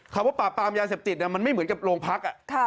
คำว่าปราบปรามยาเสพติดมันไม่เหมือนกับโรงพัก